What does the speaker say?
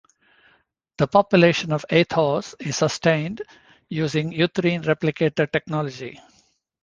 The population of Athos is sustained using uterine replicator technology.